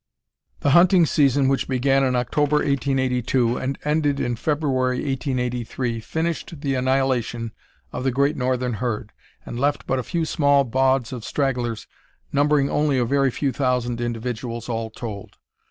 The hunting season which began in October, 1882, and ended in February, 1883, finished the annihilation of the great northern herd, and left but a few small bauds of stragglers, numbering only a very few thousand individuals all told.